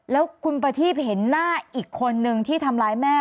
แล้วคุณประทีบเห็นหน้าอีกคนนึงที่ทำร้ายแม่